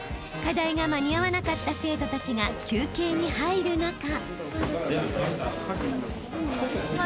［課題が間に合わなかった生徒たちが休憩に入る中］